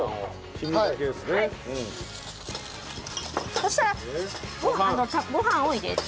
そしたらご飯を入れて。